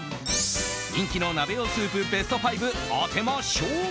人気の鍋用スープベスト５当てましょう！